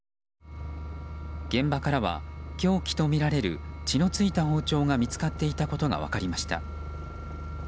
現場からは凶器とみられる血の付いた包丁が見つかっていたことが分かりました。